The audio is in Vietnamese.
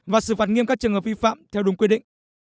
và xử phạt nghiêm các trường hợp vi phạm theo đúng quy định